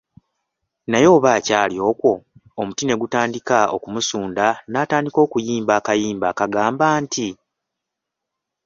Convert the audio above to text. Naye aba akyali okwo, omuti ne gutandika okumusunda n'atandika okuyimba akayimba akagamba nti,